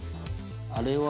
あれは。